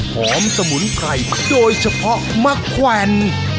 สมุนไพรโดยเฉพาะมะแขวน